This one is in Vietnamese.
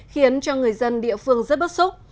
khiến cho người dân địa phương rất bất xúc